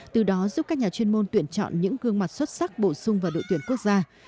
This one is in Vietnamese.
từ đó giúp các nhà chuyên môn tuyển chọn những gương mặt xuất sắc bổ sung vào đội tuyển quốc gia